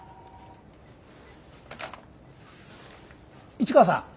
市川さん。